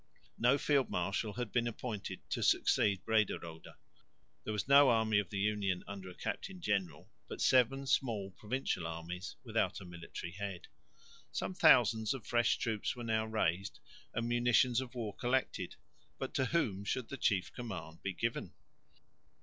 No field marshal had been appointed to succeed Brederode; there was no army of the Union under a captain general, but seven small provincial armies without a military head. Some thousands of fresh troops were now raised and munitions of war collected, but to whom should the chief command be given?